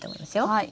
はい。